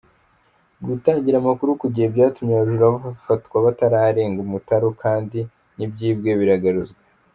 Gutangira amakuru ku gihe byatumye abajura bafatwa batararenga umutaru kandi n’ibyibwe biragaruzwa.